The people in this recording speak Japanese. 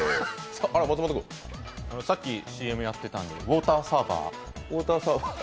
さっきＣＭやってたんで、ウォーターサーバー。